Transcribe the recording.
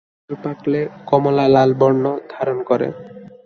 ফল পাকলে কমলা লাল বর্ণ ধারণ করে।